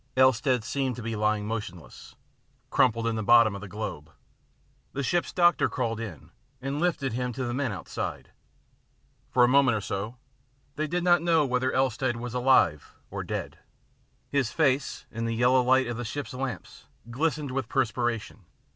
Elstead seemed to be lying motionless, crumpled up in the bottom of the globe. The ship's doctor crawled in and lifted him out to the men outside. For a moment or so IN THE ABYSS 81 they did not know whether Elstead was alive or dead. His face, in the yellow light of the ship's lamps, glistened with perspiration.